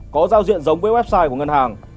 có giao diện giống với website của ngân hàng